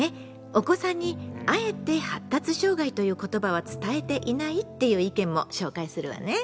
お子さんにあえて「発達障害」という言葉は伝えていないっていう意見も紹介するわね。